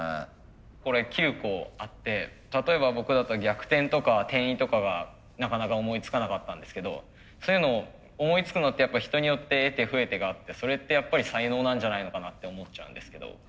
これ９個あって例えば僕だったら逆転とか転移とかがなかなか思いつかなかったんですけどそういうのを思いつくのってやっぱ人によって得手不得手があってそれってやっぱり才能なんじゃないのかなって思っちゃうんですけど。